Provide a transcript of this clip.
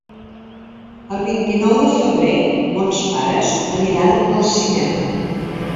El vint-i-nou de febrer mons pares aniran al cinema.